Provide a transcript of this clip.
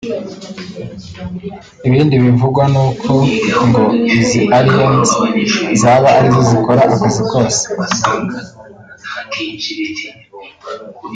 Ibindi bivugwa ni uko ngo izi Aliens zaba arizo zikora akazi kose